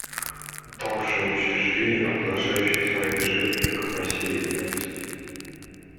Упавшее учреждение, продолжающее свое движение только по силе инерции.